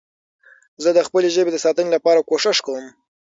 زه د خپلي ژبې د ساتنې لپاره کوښښ کوم.